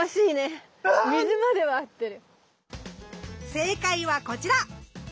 正解はこちら！